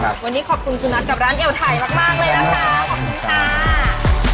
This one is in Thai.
วันนี้ขอบคุณคุณนัทกับร้านเอวไทยมากมากเลยนะคะขอบคุณค่ะ